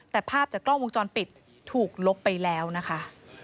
แต่ภาพจากกล้องวงจรปิดถูกลบไปแล้วนะคะ